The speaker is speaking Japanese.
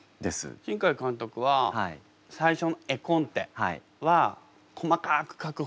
新海監督は最初絵コンテは細かく描く方ですか？